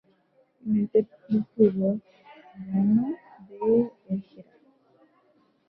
En este club jugó Cyrano de Bergerac.